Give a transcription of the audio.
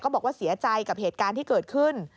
บอกว่าเสียใจกับเหตุการณ์ที่เกิดขึ้น